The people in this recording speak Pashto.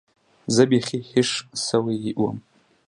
زه بيخي هېښ سوى وم.